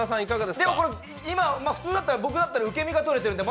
でもこれ、普通だったら、僕だったら受け身がとれてるので。